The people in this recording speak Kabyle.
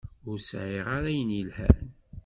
Ur sɛiɣ ara ayen yelhan.